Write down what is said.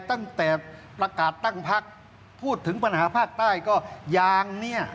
ตั้งแต่ประกาศตั้งพักพูดถึงปัญหาภาคใต้ก็ยางเนี่ย